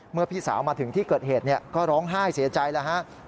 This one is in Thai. พี่สาวมาถึงที่เกิดเหตุก็ร้องไห้เสียใจแล้วฮะ